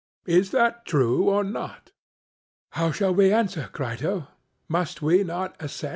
Is that true or not?' How shall we answer, Crito? Must we not assent?